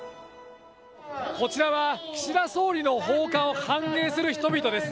こちらは岸田総理の訪韓を歓迎する人々です。